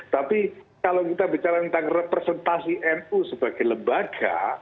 tapi kalau kita bicara tentang representasi nu sebagai lembaga